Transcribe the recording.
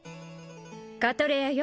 カトレアよ